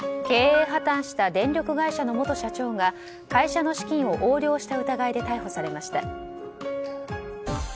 経営破綻した電力会社の元社長が会社の資金を横領した疑いで逮捕されました。